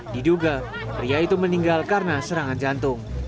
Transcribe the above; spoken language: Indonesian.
diduga pria itu meninggal karena serangan jantung